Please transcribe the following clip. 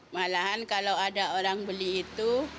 malahan kalau ada orang beli itu